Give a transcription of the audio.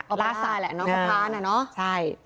กับฟร้าดป้าแหละเนอะ